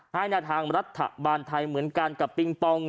ให้หน้าทางรัฐบาลไทยเหมือนกันกับปิงปอง